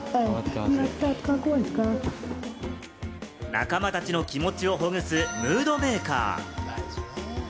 仲間たちの気持ちをほぐすムードメーカー。